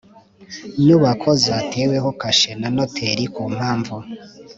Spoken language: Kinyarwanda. Nyubako zateweho kashe na noteri ku mpamvu